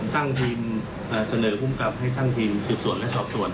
ผมตั้งทีมสะเนินกรุ้มกรรมให้ตั้งทีมสืบสวนและสอบสวน